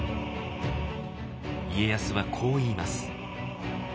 家康はこう言います。